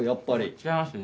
違いますね。